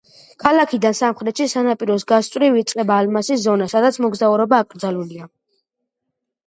ქალაქიდან სამხრეთში, სანაპიროს გასწვრივ, იწყება ალმასის ზონა, სადაც მოგზაურობა აკრძალულია.